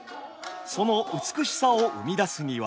その美しさを生み出すには。